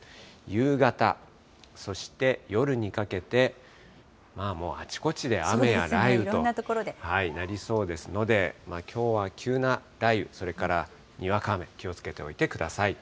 夕方、そして夜にかけて、そうですね、いろんなところなりそうですので、きょうは急な雷雨、それからにわか雨、気をつけておいてください。